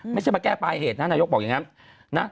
ไม่ใช่แก้ฝ่ายเหตุนายกเราบอกอย่างนั้น